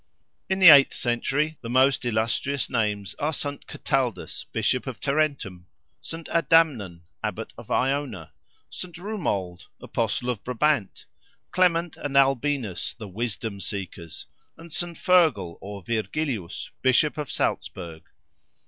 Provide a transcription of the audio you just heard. In the eighth century the most illustrious names are St. Cataldus, Bishop of Tarentum; St. Adamnan, Abbot of Iona; St. Rumold, Apostle of Brabant; Clement and Albinus, "the Wisdom seekers;" and St. Feargal or Virgilius, Bishop of Saltzburgh.